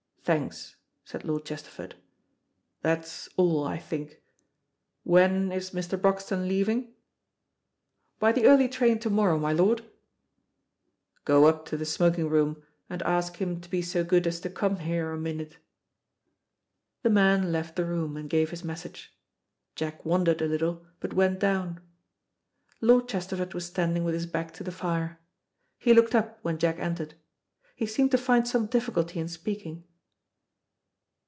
"Thanks," said Lord Chesterford. "That's all, I think. When is Mr. Broxton leaving?" "By the early train to morrow, my lord." "Go up to the smoking room and ask him to be so good as to come here a minute." The man left the room, and gave his message. Jack wondered a little, but went down. Lord Chesterford was standing with his back to the fire. He looked up when Jack entered. He seemed to find some difficulty in speaking.